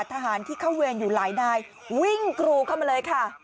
ทหารที่เข้าเวรอยู่หลายนายวิ่งกรูเข้ามาเลยค่ะ